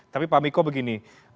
tapi pak miko begini